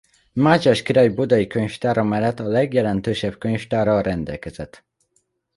Mátyás király budai könyvtára mellett a legjelentősebb könyvtárral rendelkezett.